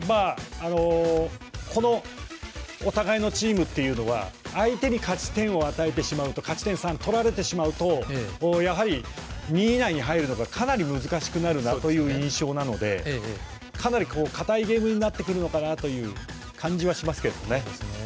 このお互いのチームっていうのは相手に勝ち点を与えてしまうと勝ち点３をとられてしまうと２位以内に入るのが難しくなる印象なのでかなり堅いゲームになってくるという感じはしますね。